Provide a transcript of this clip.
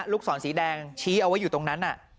ลูกศรสีแดงชี้เอาไว้อยู่ตรงนั้น